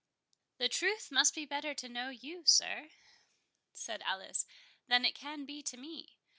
"The truth must be better known to you, sir," said Alice, "than it can be to me.